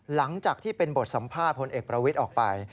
หลังจากที่เป็นบทสัมภาษณ์พลเอกประวิทย์ออกไป